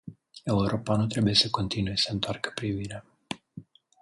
Europa nu trebuie să continue să întoarcă privirea.